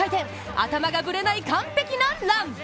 頭がブレない完璧なラン。